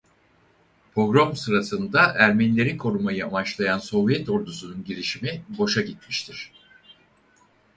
Pogrom sırasında Ermenileri korumayı amaçlayan Sovyet Ordusu'nun girişimi boşuna gitmiştir.